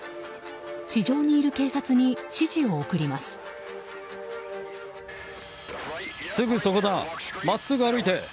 地上にいる警察に指示を送ります。